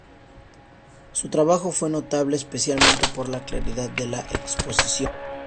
Su trabajo fue notable especialmente por la claridad de la exposición.